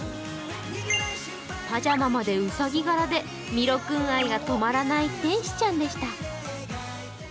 パジャマまでうさぎ柄でミロ君愛がとまらない天使ちゃんでした。